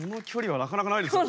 なかなかないですよ。